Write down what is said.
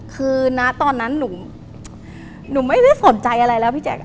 คือณตอนนั้นหนูไม่ได้สนใจอะไรแล้วพี่แจ๊ค